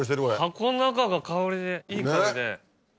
箱の中が香りでいい香りで。